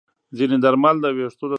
ځینې درمل د ویښتو د توییدو مخه نیسي.